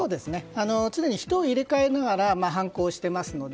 常に人を入れ替えながら犯行していますので。